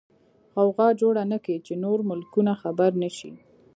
غوغا جوړه نکې چې نور ملکونه خبر نشي.